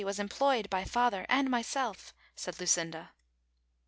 'as employed by father and m^'self," said Lucinda.